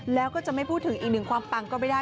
แล้วก็จะไม่พูดถึงอีกหนึ่งความปังก็ไม่ได้